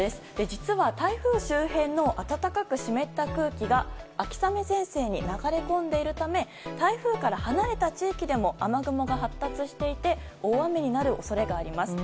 実は、台風周辺の暖かく湿った空気が秋雨前線に流れ込んでいるため台風から離れた地域でも雨雲が発達していて大雨になる恐れがあります。